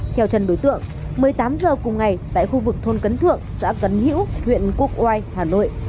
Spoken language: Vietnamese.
theo trần đối tượng một mươi tám h cùng ngày tại khu vực thôn cấn thượng xã cấn hữu huyện quốc oai hà nội